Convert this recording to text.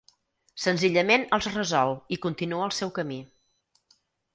Senzillament els resol i continua el seu camí.